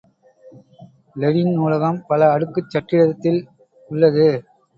Lenin நூலகம் பல அடுக்குக் சட்டிடத்தில் உள்ளது.